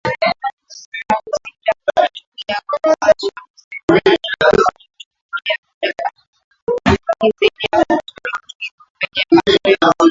Hakusita kujitolea kuwashauri kwa hata kujichukulia muda wake wa ziada kushiriki kwenye mazoezi